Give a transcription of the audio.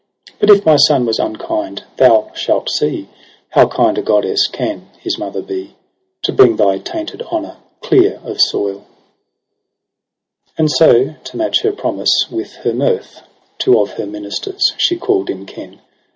But if my son was imkind, thou shalt see How kind a goddess can his mother be To bring thy tainted honour clear of soU.' And so, to match her promise with her mirth. Two of her ministers she call'd in ken.